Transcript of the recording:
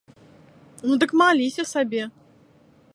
Ну дык маліся сабе.